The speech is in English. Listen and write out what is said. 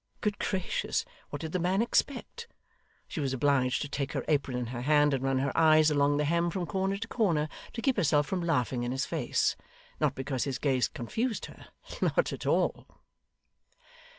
Good gracious, what did the man expect! She was obliged to take her apron in her hand and run her eyes along the hem from corner to corner, to keep herself from laughing in his face; not because his gaze confused her not at all.